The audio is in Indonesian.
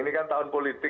ini kan tahun politik